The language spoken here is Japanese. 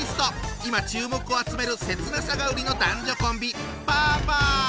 今注目を集める切なさが売りの男女コンビ！